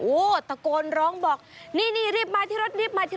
อู๋วตะโกนร้องบอกนี่รีบมาที่รถครับ